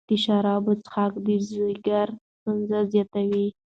د شرابو څښاک د ځیګر ستونزې زیاتوي.